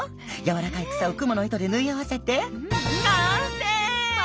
やわらかい草をクモの糸で縫い合わせて完成！